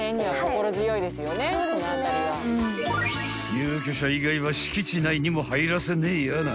［入居者以外は敷地内にも入らせねえやな］